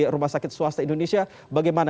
rumah sakit swasta indonesia bagaimana